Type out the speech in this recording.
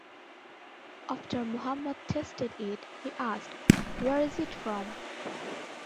After Muhammad tasted it, he asked, Where is it from?